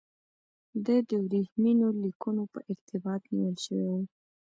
دی د ورېښمینو لیکونو په ارتباط نیول شوی و.